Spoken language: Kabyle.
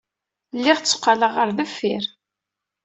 Lliɣ tteqqaleɣ ɣer deffir.